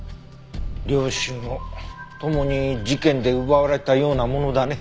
両親を共に事件で奪われたようなものだね。